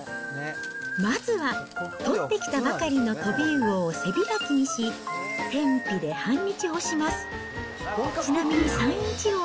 まずは、取ってきたばかりのトビウオを背開きにし、天日で半日干します。